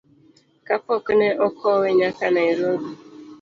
Kapok ne okowe nyaka Nairobi.